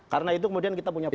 karena itu kemudian kita punya